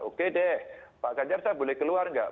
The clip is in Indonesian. oke deh pak ganjar saya boleh keluar nggak